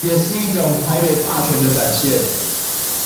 也是一種台北霸權的展現